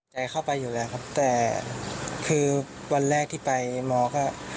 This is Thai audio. เข้าไปอยู่แล้วครับแต่คือวันแรกที่ไปหมอก็